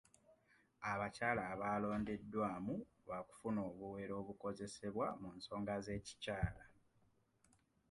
Abakyala abalondeddwamu b'akufuna obuwero obukozesebwa mu nsonga z'ekikyakala.